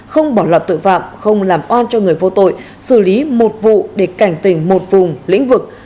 không bỏ lọt tội phạm không làm oan cho người vô tội xử lý một vụ để cảnh tỉnh một vùng lĩnh vực